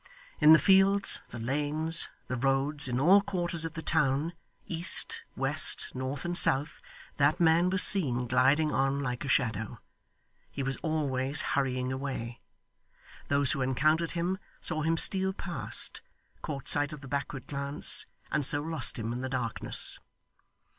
In the fields, the lanes, the roads, in all quarters of the town east, west, north, and south that man was seen gliding on like a shadow. He was always hurrying away. Those who encountered him, saw him steal past, caught sight of the backward glance, and so lost him in the darkness.